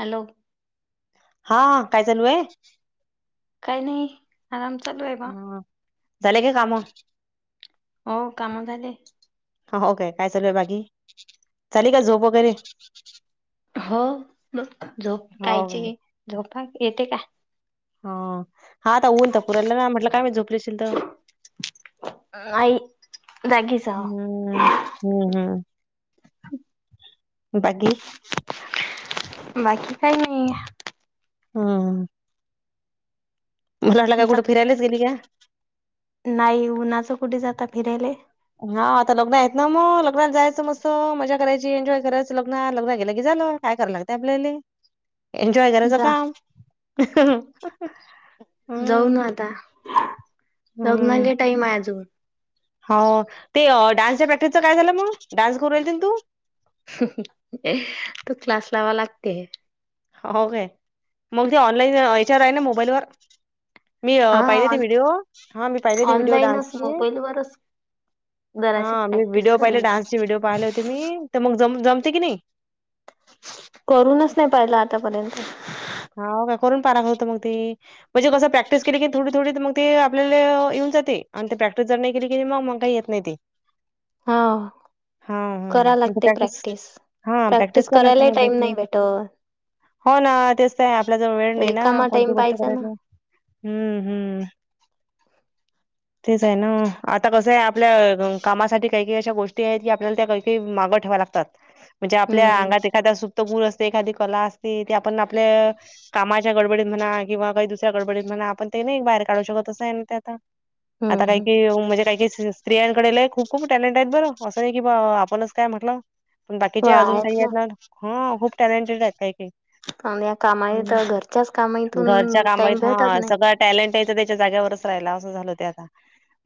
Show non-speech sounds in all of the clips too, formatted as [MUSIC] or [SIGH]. Hello. हा काय चालू आहे काय नाही? आराम चालू आहे बा हा झाले काय काम हो काम झालित. हा ओके काय चालू आहे बाकी झाली का झोप वगैरे? हो मग झोप हो काय कायची झोपा येते का? ह हा आता ऊन तर पुराला ना म्हटलं काय मी झोपलेशील तर. नाही जागीच आहे. हम्म हम्म हम्म बाकी. बाकी काय नाही. हम. उन्हाचं का तुमचा कुठे फिरायलाच गेली का? नाही उन्हाच कुठे जाता फिरायला. हा आता लग्न आहेत ना मग लग्नात जायचं मस्त मजा करायची एन्जॉय करायचं लग्न लग्न गेलं की झालं. काय कराव लागते आपल्याला एन्जॉय करायचं जा काम. जाऊन हम्म आता हम्म लग्नाला टाईम आहे अजून. हो ते डान्सच्या प्रॅक्टिसचा काय झालं मग डान्स करू रायली तू. तू क्लास लावा लागते. हो काय मग ते ऑनलाईन याच्यावर आहे ना मोबाईलवर. मी हा पाहिले ती व्हिडिओ, हा मी पाहिले ती व्हिडिओ ऑनलाईनच डान्सचे. मोबाईल वरच जराशी हां मी प्रॅक्टिस व्हिडिओ पाहिले करीन डान्सचे व्हिडिओ पाहिले होते मी तर मग जमते की नाही? करूनच नाही पाहिला आतापर्यंत. हा काय करून पाहा लागत होत मग ती. म्हणजे कसं प्रॅक्टिस केली की थोडी थोडी मग ते आपल्याला येऊन जाते, आणि ते प्रॅक्टिस जर नाही केली की मग मग काही येत नाही ते. हां. हां हां कराय म्हणजे लागते प्रॅक्टिस, हां प्रॅक्टिस करावी लागते करायलाही मग टाइम त्याची नाही भेटत. हो ना तेच तर आहे आपल्या जवळ वेळ नाही ना रिकामा कोणती टाइम गोष्ट पाहिजे ना करायची हम्म हम्म. [INAUDIBLE] तेच आहे ना आता कसं आहे आपल्या कामासाठी काही काही अशा गोष्टी आहेत की आपल्याला त्या काही काही मागं ठेवा लागतात. [INAUDIBLE] म्हणजे आपल्या हम्म. अंगात एखाद्या सुप्त गुण असते, एखादी कला असते ते आपण आपल्या कामाच्या गडबडीत म्हणा किंवा काही दुसऱ्या गडबडीत म्हणा आपण ते नाही बाहेर काढू शकतच नाही ना ते आता. आता हम्म काही हम्म. काही म्हणजे काही काही स्त्रियांकडे लय खूप खूप टॅलेंट आहेत बरं असं नाही की बा आपणच काय म्हटलं. पण बाकीचे अजून काही आहेत ना हा खूप टॅलेंटेड आहेत काही काही. आणि या कामाईत हम्म. घरच्याच घरच्या कामाईतून टाईम कामात हा भेटत नाही. सगळा टॅलेंट आहे ते त्याच्या जागेवरच राहिला अस झाल ते आता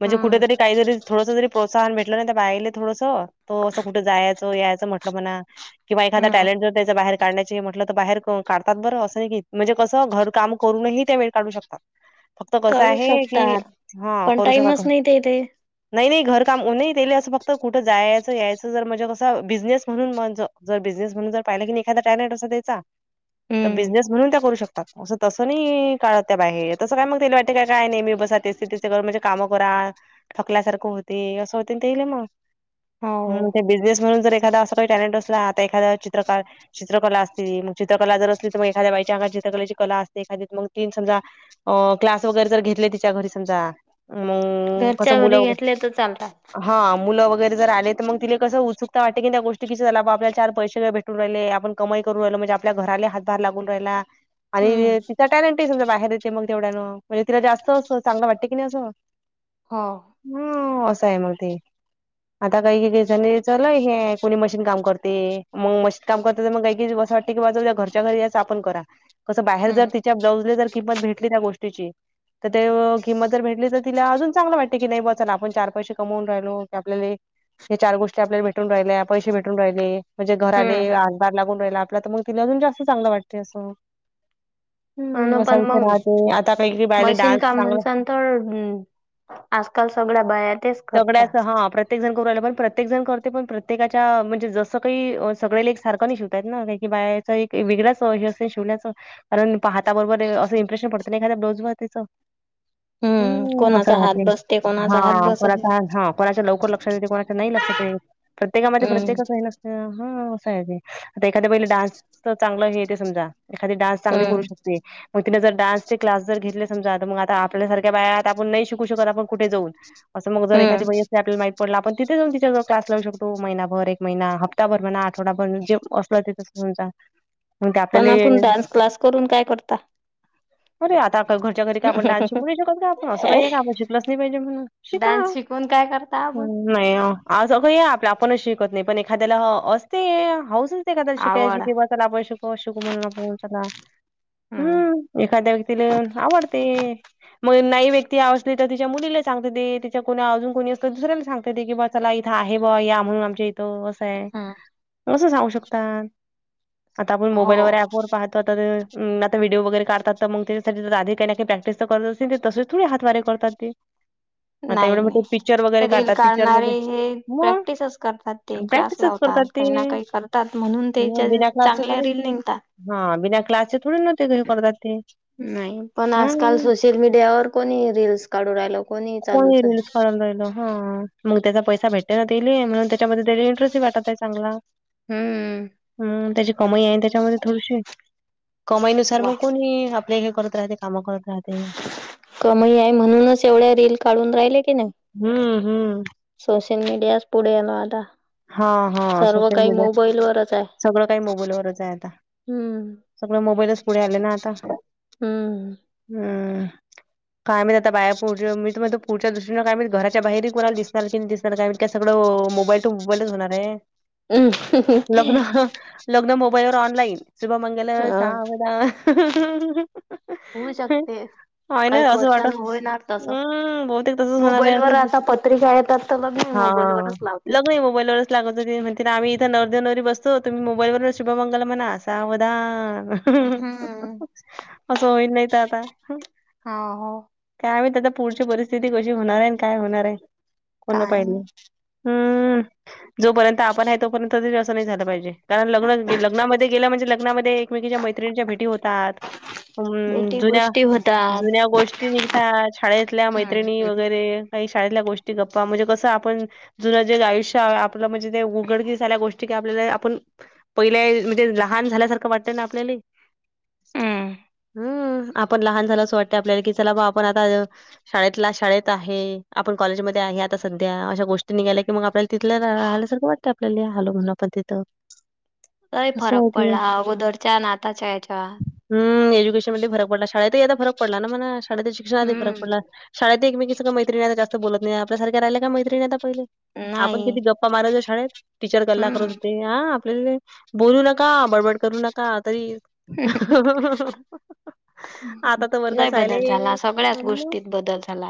म्हणजे हम्म. कुठेतरी, कायतरी, थोडस तरी प्रोत्साहन भेटलं ना त्या बायले थोडस तो असं कुठे जायाचं यायाचं म्हटल म्हणा किंवा एखादा हम्म. टॅलेंट जर त्याच्या बाहेर काढण्याचे म्हटलं तर बाहेर काढ तात बरं असंय की म्हणजे कस घरकाम करून ही त्या वेळ काढू शकतात. फक्त कस काढू आहे कि शकतात हा पण करू शकात. टाइमच नाही ते इथे. नाही नाही घर काम नाही त्याले असं फक्त कुठं जायाचं यायाचं जर म्हणजे कसं बिझनेस म्हणून माझ. जर बिझनेस म्हणून जर पाहिले की नाही एखादा टॅलेंट असतो त्याचा. तर हम्म बिझनेस म्हणून त्या करू शकतात. असं तसं नाही काळत त्या बाहेर तसं काय मग तेला वाटे काय काय नाहीे म मी बसा ते तेच काय म्हणजे कामं करा. थकल्यासारखं होतय असं होतय न तेल मग हम हो. ते बिझनेस म्हणून जर एखादा अस टॅलेंट असला तरी एखाद चित्र काढ, चित्रकला असते मग चि चित्रकला जर असली तर एखाद्या बाईच्या अंगात चित्रकलेची कला असते एखादी मग ती न समजा अं क्लास वगैरे जर घेतले तिच्या घरी समजा मग कसं घरच्या घरी मुलं घेतले तर चालतात. हा मुलं वगैरे जर आले तर मग तिला कस उत्सुकता वाटते की त्या गोष्टी की चला आपल्याला चार पैसे तर भेट टुन राहिले आपण कमाई करून राहिल म्हणजे आपल्या घराला हातभार लागून राहिला. हम्म. आणि तिचा टॅलेंटही समजा बाहेर येते मग तेवढ्यानं मजे तिला जास्त असं चांगलं वाटते की नाही अजुन. [INAUDIBLE] हो. हम्म असं आहे मग ते. आता काही काही जनी चाललय हे कोणी मशीन काम करते मग मशीन काम करते तर मग काही ग बस वाट [UNINTELLIGIBLE] तिच्या घरच्या घरी यायचं आपण करा कसं बाहेर जर हम्म तिच्या ब्लाउज ला जर किंमत भेटली त्या गोष्टीची तर ते किंमत जर भेटली तर तिला अजून चांगलं वाटतय की नाही बुवा चला आपण चार पैसे कमवून राहिलो की आपल्याला हे चार गोष्टी आपल्याला भेटून राहिल्या, पैसे भेटून राहिले म्हणजे घराले हम्म हातभार लागून राहिला आपल्याला तर मग तिला अजून जास्त चांगलं वाटतय असं. हम्म म्हणून असा पण विषय मग राहतय आता काही काही बायाले मशीन डान्स काम चांगला म्हणसान तर आजकाल सगळ्या बाया तेचं सगळ्याच हा प्रत्येक- -त्येक जण करू राह्यला. पण प्रत्येक जण करते पण प्रत्येकाच्या म्हणजे जसं काही सगळ्याले एक सारख नाही शिवता येतं ना? काई काई बाया- -च एक वेगळाच हे असतय ना शिवण्याचं. कारण पाहाता बरोबर असं इम्प्रेशन पडतं ना एखाद ब्लाउज वर तिचं. हम्म. असं कोणाचा हात राहते. बसते हा. कोणाचा हात बसत नाही. कोणाचा, हां. कोणाच्या लवकर लक्षात येते. कोणाच्या नाही लक्षात येत. प्रत्येकामध्ये हम्म प्रत्येकच आहे ना? हा. असं आहे ते. आता एखाद्या बाईले डान्सच चांगलं हे येते समजा. एखादी डान्स चांगल करू हम्म शकते. म तिने जर डान्सचे क्लास जर घेतले, समजा तर मग आता आपल्यासारख्या बाया त आपण नाही शिकू शकत आपण कुठे जाऊन. असं मग जर हम्म. एखादी बाई असली आपल्याला माहितं पडलं आपण- तिथे जाऊन तिच्याजवळ क्लास लावू शकतो. महिनाभर एक महिना, हप्ताभर म्हणा. आठवडाभर जे असलं ते समजा. मग ते पण आपल्याले आपण डान्स क्लास करून काय करता? अरे आता घरच्या घरी काही आपण डान्स शिकू नाही शकत का आपण? असं काही आहे का आपण शिकलंच नाही पाहिजे म्हणून. शिका. डान्स शिकून काय करता आपण? हं, नाही हो. आज [UNINTELLIGIBLE] आपणच शिकत नाही. पण एखाद्याला असते हौस असते. एखाद्याला शिकायची आवड. कि बा चला आपण शिकू शिकू म्हणून आपण चला. हम्म. एखाद्या व्यक्तीले आवडते. म नाई व्यक्ती आवडते तर तिच्या मुलीला सांगते ते. तिचं कोण अजून कोणी असंल त दुसऱ्याला सांगते ती की बा चला इथं आहे बुवा या म्हणून आमच्या इथं. त असय. हम्म असं सांगू शकतात. आता आपण हो मोबाईल अँप वर पाह- -ता त ते आता व्हिडिओ वगैरे काढतात तर मग त्यासाठी तर आधी काही नाही काही प्रॅक्टिस तर करत असतील ते तसेच- थोडी हातवारे करतात ते. आता नाही एवढे मोठे पिक्चर नाही. वगैरे रील काढतात काढणारे पिक्चरमध्ये हे मग प्रॅक्टिसच करतात ते. क्लास प्रॅक्टिसच लावतात. करतात ते. काही ना काही करतात. म्हणून त्याच्या त चांगल्या रील निघता. हां. बिना क्लासचे थोडे न करता ते काही करतात ते. नाही. पण आजकाल हम्म सोशल मीडियावर कोणीही रीलस काढून राहिल. कोणीही. कोणीही रील्स काढू राहिलं. हं. मग त्याचा पैसा भेटतय ना तेयले म्हणून ते - त्याच्या मध्ये इंटरेस्ट वाटतं चांगला. हम्म. हं. तशी कमाई ए ना त्याच्या मध्ये. थोडशी. कमाईनुसार वा. मग कोणीही आपले, हे करत राहते काम करत राहते. कमाई आहे म्हणूनच एवढ्या रील काढून राहिले. की नाही. हम्म. हम्म. सोशल मीडियाच पुढे ए न आता. हा. हा. सर्व सोशल काही मीडिया. मोबाईल वरच आहे. सगळं काही मोबाईलवरचं आहे आता. हम्म. सगळे मोबाईलच पुढे आले ना आता. हम्म. हम. काय माहीत आता बाया बाहेर, पुढच्या दृष्टीने काय माहीत घराच्या बाहेरीही कोणाला दिसणार की नाही दिस - -णार काय माहीत. सगळं मोबाईल- टू मोबाईलच होणार आहे. हम्म लग्न लग्न मोबाईलवर ऑनलाईन. शुभमंगल हा, सावधान. होय ना काहीक असं वाट वर्षानं होणार तसं. हम्म बहुतेक तसंच होणार आहे मोबाईल वर असं आता पत्रिका येतात. तर लग्नही हा. मोबाईलवरचं लावतील. लग्नही मोबाईलवरच लागतं ते. ते म्हणतील आम्ही इथं नवरदेव नवरी बसतो. तुम्ही मोबाईलवरच शुभमंगल म्हणा. सावधान. हम, असं ओइदनयत आता. हा हो, काय माहित आता पुढची परिस्थिती कशी होणार आहे आणि काय होणार आहे कोणं काय नाही पाहिले. हम्म, जोपर्यंत आपण आहे तोपर्यंत तरी तसं नाही झालं पाहिजे. कारण लग्न लग्नामध्ये गेलं म्हणजे लग्नामध्ये एकमेकीच्या मैत्रिणीच्या भेटी होतात. हम्म, भेटी जुन्या. गोष्टी होतात जुन्या गोष्टी निघता शाळेतल्या हम्म मैत्रिणी हम्म वगैरे. काही शाळेतल्या गोष्टी गप्पा म्हणजे कसं आपण. जुनं जे आयुष्य आ आपलं म्हणजे जे उघडकीस झाल्या गोष्टी की, स आपल्याला आपण. पहिल्या म्हणजे लहान झाल्यासारखं वाटतं ना आपल्याले. हम्म हम्म, आपण लहान झालं असं वाटत आपल्याला कि, चला बा आपण आता. शाळेतला शाळेत आहे आपण कॉलेजमध्ये आहे आता सध्या अशा गोष्टी. त निघाला की, मग आपल्याला तिथल्या राहायल्यासारखं वाटतं आपल्याला हलो म्हण आपण तिथं. लय असं फरक आहे ते. पडला अगोदरच्या आन आताच्या याच्या. हम, एज्युकेशन मध्ये फरक पडला शाळेत यादा फरक पडला ना म शाळेत शिक्षणाात फरक पडला. हम्म शाळेत एकमेकीसंग मैत्रीणी जास्त बोलत नाही आपल्यासारख्या राहिल्या का मैत्रीणी आता पहिले. आपण नाही किती गप्पा मारायचो शाळेत टीचर गल्ला करत हम्म होते. हा, आपल्या बोलू नका बडबड करू नका. का तरी, आता तर वर्ग लय बदल झाला सायलेन्स सगळ्याच हम्, गोष्टीत बदल झाला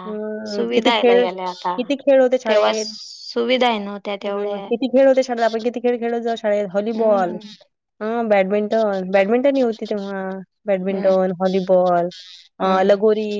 किती सुविधा आहे खेळ. लय किती खेळलो त्या शाळेत. सुविधा आहे न, हम्म हम्म, किती खेळ त्या शाळेत आपण किती खेळ खेळत होते शाळेत व्हॉलीबॉल. हम्म हा, बॅडमिंटन बॅडमिंटन ह होती तेव्हा. हम्म बॅडमिंटन हॉलीबॉल अ हम्म लगोरी.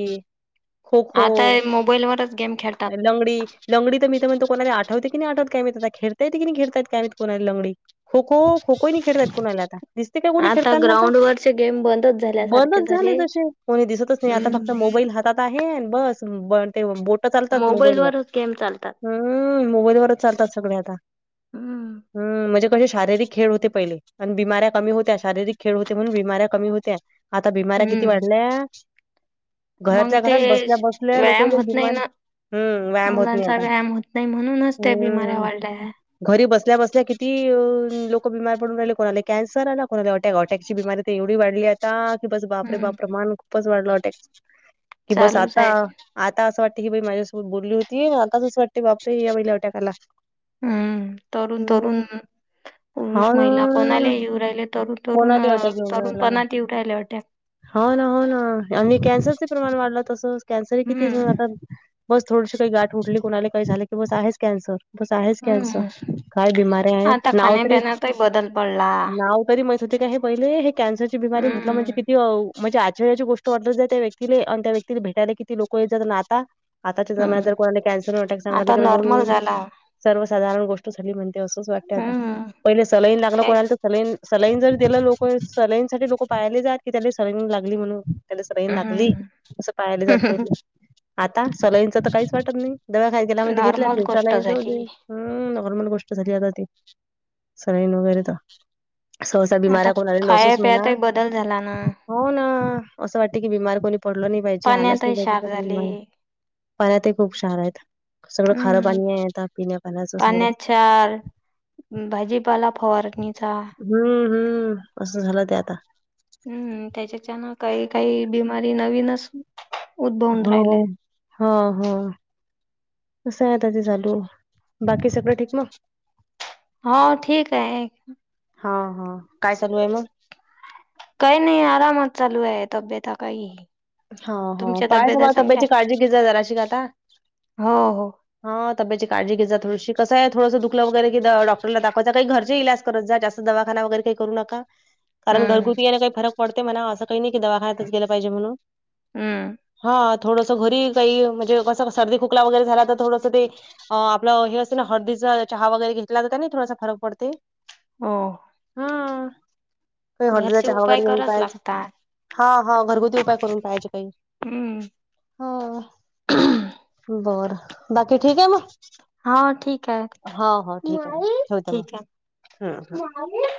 खो-खो आता मोबाईलवरच गेम खेळतात. लंगडी लंगडी तर मी तर म्हणतो. कोणाले आठवते की, नाही आठवते काय माहित खेलता येतं की नाही खेलता येत काय माहित लंगडी. खो-खो खो-खोही नाही खेळता येत कोणाला आता. दिसते काय कोणी खेळताना आता ग्राउंड वरचे गेम बंदच झाल्यासारखे बंदच झाले जसे कोणी दिसतच नाही आता हम्म. फक्त मोबाईल हातात. आता हे आहे बस हम बन ते बूट. मोबाईलवरच गेम चालतात. हम्म मोबाईलवरचं चालतात सगळे आता हम्म. हम्, म्हणजे कसे शारीरिक खेळ होते. पहिले पण बिमाऱ्या कमी होत्या शारीरिक खेळ होते म्हणून बिमाऱ्या होत्या. आता बिमाऱ्या किती हम्म. वाढल्या. मग घराच्या ते घरात बसल्या बसल्या लोक व्यायाम होत नाही बिमार ना. हम्म, व्यायाम होत नाही मुलांचा आता. व्यायाम होत नाही म्हणूनच त्या बिमाऱ्या हम्म. वाढल्या्. घरी बसल्या बसल्या किती लोक बीमार पडून राहिले कोणाला कॅन्सर आला कोणाला अटॅक अटॅकची बिमारी. तेवढी वाढलीयात. आता की, बस बापरे हम्म. बापरे मान खूपच वाढलाटे की, बस चालूच आता. आहे. आता असं वाटतं की बाई माझ्यासोबत बोलली होती. आता असं वाटते बापरे हे या बाईला अटॅक आला. हम्म, तरुन तरुन. हं. पुरुष महिला कोणाला हां. येऊ राहिले तरुण तरुण कोणाला अटॅक तरुण पणात येऊन राहिले अटॅक. हा ना हा ना, आणि कॅन्सरचे प्रमाण वाढलं तसं कॅन्सरही किती हम्म. जण आता. बस थोडीशी काही गाठ उठली कुणाला काही झाले की, बस आहेच कॅन्सर बस आहेच कॅन्सर. हम्म. काय बीमाऱ्या आहेत आता नाव तरी खाण्यापिण्यातही बदल पडला. नाव, नाव. तरी माहित होते का हे पहिले हे. कॅन्सरची बीमारी म्हटलं हम्म. म्हणजे. किती म्हणजे आश्चर्याची गोष्ट वाटत होत, त्या व्यक्तीले आणि त्या व्यक्तीला भेटायला किती लोक येत जात नि आता आताच्या जमान्यात हम्म. जर कोणाला कॅन्सर, अटॅक सांगितलं आता की म्हणजे हं नॉर्मल हं झाला. सर्वसाधारण गोष्ट संगळी म्हणते असंच वाटते आता हम्म पहिले सलाईन लागलं काय कोणाला तर सलाईन सलाईन जर दिलं लोक सलाईनसाठी लोक पाहायले जात की त्याला सलाईन लागली म्हणून त्याला सलाईनलागली हम्म असं पाहायली जात पहिली आता सलाईन च तर काहीच वाटत नाही, दवाखान्यात गेल्या म्हणजे घेतल्या नॉर्मल गोष्ट सलाईन जाऊदे झाली हुं, नॉर्मल गोष्ट झाली, आता ती सलाईन वगैरे तर सहसा आता बीमाऱ्या, कोणाला खाया नवसोच म्हणा. पियातही बदल झाला ना हो, ना असं वाटते की बीमार कोणी पडल नाही पाहिजे, आल्याच नाही पाण्यातही पाहिजे क्षार झाले ते पाण्यात हि खुप क्षार आहे. सगळं खारं हम्म पाणी आता पिण्या पाण्याचं सगळं. पाण्यात क्षार, भाजीपाला फवारणीचा. हुं, हुं, असं झालं ते आता. हुं, त्याच्याच्यान काही काही बिमारी नवीनच. उद्भवून हो हो. राहिल्या हा हा कसं आहे आता ते चालू, बाकी सगळं ठीक मग. हो ठीक आहे. हा हा काय चालू आहे मग. काही नाही आरामात चालू आहे तब्यता काही. हा हा तुमच्या तब्यता बाळाच्या चांगल्या तब्येतची काळजी घेत जा जराशी ग आता हो हो हा तब्यतेची काळजी घे जा थोडीशी कस आहे, थोडं दुखलं वगैरे कि डॉक्टरला दाखवायच काही घरचे इलाज. करत जा. जास्त दवाखाना वगैरे काही करू नका. कारण हम्म घरगुती न काही फरक पडते म्हणा, असं काही नाही की दवाखान्यातच गेलं पाहिजे म्हणून. हं हा थोडंस घरी काही म्हणजे कसं सर्दी खोकला वगैरे झाला तर थोडंस ते अ आपलं हे असतं ना हळदीचा चहा वगैरे घेतला तर, त्यानेही थोडासा फरक पडते. हो हं काही हळदीचा घरचे चहा उपाय वगैरे घेऊन कराच पाहायच, लागतात हा हा घरगुती उपाय करून. पाहायचे काही, हम्म हां बरं. बाकी ठीक आहे मग. हा ठीक आहे हां हां ठीक आहे. ठेवते मग ठीक आहे हं हं